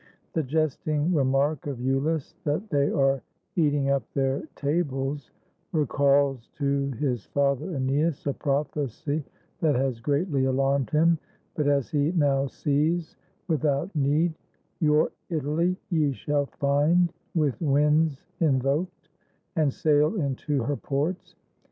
The jesting remark of lulus that they are eating up their tables recalls to his father /EnesiS a prophecy that has greatly alarmed him, but, as he now sees, without need: — "Your Italy ye shall find, with winds invoked, And sail into her ports.